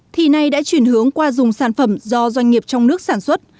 thì nay đã chuyển hướng qua dùng sản phẩm do doanh nghiệp trong nước sản xuất